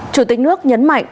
chủ tịch nước nhấn mạnh